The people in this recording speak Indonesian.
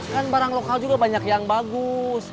kan barang lokal juga banyak yang bagus